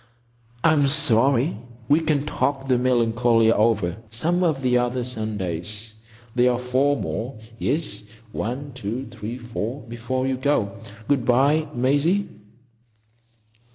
"I'm sorry. We'll talk the Melancolia over some one of the other Sundays. There are four more—yes, one, two, three, four—before you go. Good bye, Maisie."